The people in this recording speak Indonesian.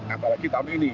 apalagi tahun ini